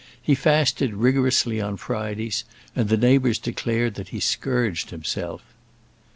He fasted rigorously on Fridays; and the neighbours declared that he scourged himself.